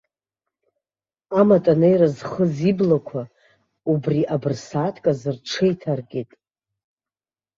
Аматанеира зхыз иблақәа убри абырсааҭк азы рҽеиҭаркит.